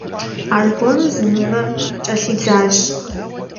Аргуэру зы мывэ кӀэлъидзащ.